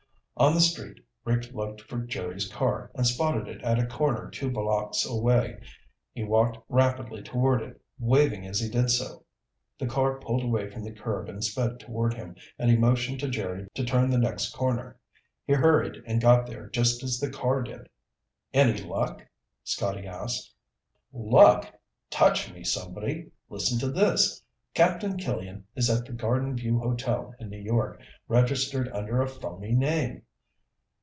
On the street, Rick looked for Jerry's car and spotted it at a corner two blocks away. He walked rapidly toward it, waving as he did so. The car pulled away from the curb and sped toward him, and he motioned to Jerry to turn the next corner. He hurried and got there just as the car did. "Any luck?" Scotty asked. "Luck? Touch me, somebody. Listen to this: Captain Killian is at the Garden View Hotel in New York, registered under a phony name!"